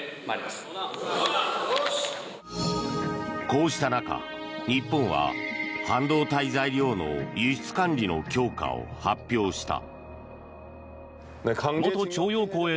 こうした中、日本は半導体材料の輸出管理の強化を発表した。